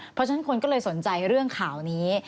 เพราะฉะนั้นคนก็เลยสนใจเรื่องข่าวนี้